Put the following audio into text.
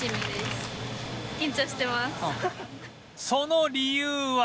その理由は